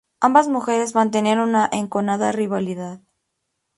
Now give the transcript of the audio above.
Ambas mujeres mantenían una enconada rivalidad.